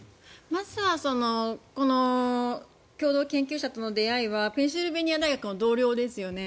まずは共同研究者との出会いはペンシルベニア大学の同僚ですよね。